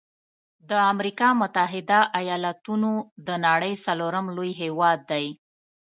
د امريکا متحده ایلاتونو د نړۍ څلورم لوی هیواد دی.